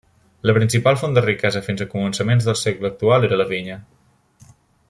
La principal font de riquesa fins a començaments del segle actual era la vinya.